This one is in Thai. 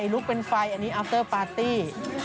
ลุกเป็นไฟอันนี้อัลเตอร์ปาร์ตี้